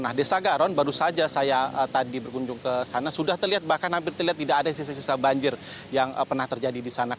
nah desa garon baru saja saya tadi berkunjung ke sana sudah terlihat bahkan hampir terlihat tidak ada sisa sisa banjir yang pernah terjadi di sana